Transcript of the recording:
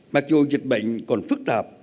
mặc dù dịch bệnh còn phức tạp